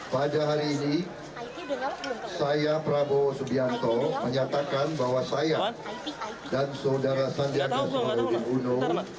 pada hari ini saya prabowo subianto menyatakan bahwa saya dan saudara sandiaga solo di uno